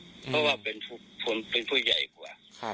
แต่มันส่วนกับมันกิ่งคนมาเกินไปแล้วไปถามตำรวจก็ได้